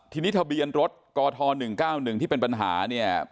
ทีนี้ทะเบียนรถกท๑๙๑ที่เป็นปัญหาเนี่ย